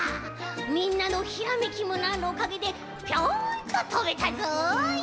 みんなのひらめきムナーのおかげでピョンととべたぞい」。